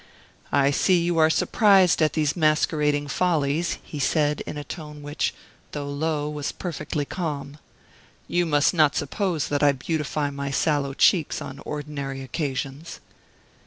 "I see you are surprised at these masquerading follies," he said in a tone which, though low, was perfectly calm. "You must not suppose that I beautify my sallow cheeks on ordinary occasions."